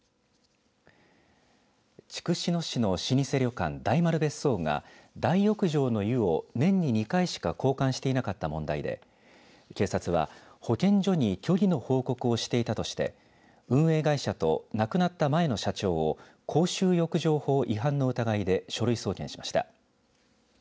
筑紫野市の老舗旅館大丸別荘が大浴場の湯を年に２回しか交換していなかった問題で警察は保健所に虚偽の報告をしていたとして運営会社と亡くなった前の社長を公衆浴場法違反の疑いで書類送検しました。